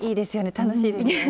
楽しいですよね。